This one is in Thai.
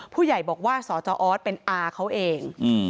ผู้ใหญ่บอกว่าสจออสเป็นอาเขาเอง